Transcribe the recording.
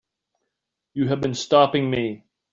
You have been stopping me.